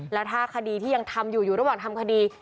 แล้วถ้าคดีที่ยังทำอยู่อยู่ระหว่างทำคดี